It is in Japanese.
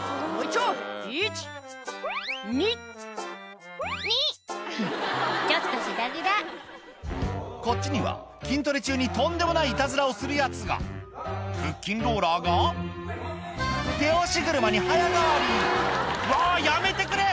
ちょっとグダグダこっちには筋トレ中にとんでもないいたずらをするヤツが腹筋ローラーが手押し車に早変わり「うわやめてくれ！